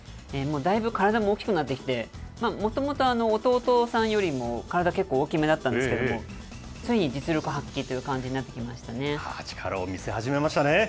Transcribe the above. もうだいぶ体も大きくなってきて、もともと弟さんよりも体結構、大きめだったんですけれども、ついに実力を発揮っていう感じになっ力を見せ始めましたね。